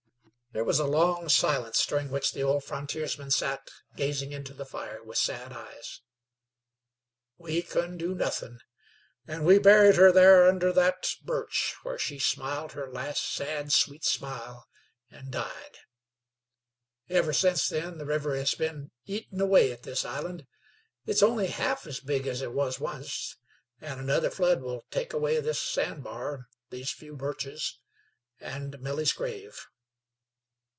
There was a long silence, during which the old frontiersman sat gazing into the fire with sad eyes. "We couldn't do nuthin', an' we buried her thar under thet birch, where she smiled her last sad, sweet smile, an' died. Ever since then the river has been eatn' away at this island. It's only half as big as it wus onct, an' another flood will take away this sand bar, these few birches an' Milly's grave."